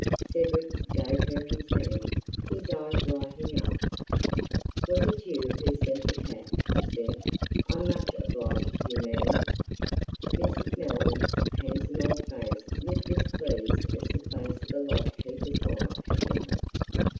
Cedric gave her his hand, his eyes lighting up. "Was it you who sent the cat?" he said. "I'm much obliged to you, ma'am." Mrs. Mellon's handsome old face looked as pleased as the face of the lodge keeper's wife had done.